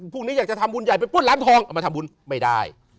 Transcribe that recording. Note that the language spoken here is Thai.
พวกนี้อยากจะทำบุญใหญ่ไปปล้นร้านทองเอามาทำบุญไม่ได้